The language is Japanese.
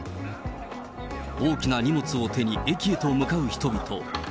大きな荷物を手に、駅へと向かう人々。